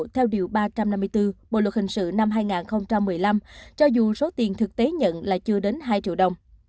theo điều ba trăm năm mươi bốn bộ luật hình sự năm hai nghìn một mươi năm cho dù số tiền thực tế nhận là chưa đến hai triệu đồng